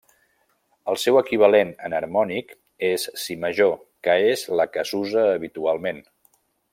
El seu equivalent enharmònic és si major, que és la que s'usa habitualment.